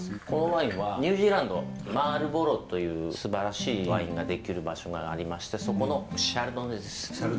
このワインはニュージーランドマールボロというすばらしいワインができる場所がありましてそこのシャルドネです。